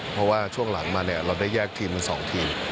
เพราะว่าช่วงหลังมาเนี่ยเราได้แยกทีมเป็น๒ทีม